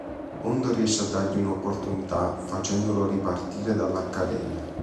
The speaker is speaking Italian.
Hondo riesce a dargli un'oppurtunità facendolo ripartire dall' accademia.